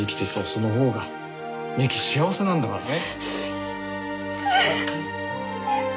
そのほうが美雪幸せなんだからね。